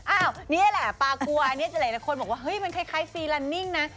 อ้าวเนี่ยแหละปากกลัวเนี่ยจะหลายคนบอกว่าเฮ้ยมันคล้ายฟรีลันนิ่งนะ